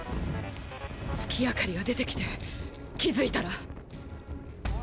月明かりが出てきて気付いたら。